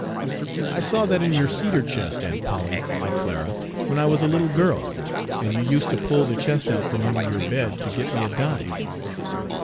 "I saw that in your cedar chest, Aunt Polly," said Clara, "when I was a little girl, and you used to pull the chest out from under your bed to get me a dime."